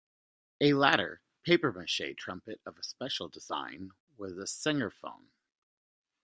A later, papier-mache trumpet of special design was the Sengerphone.